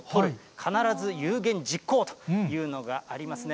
必ず有言実行！というのがありますね。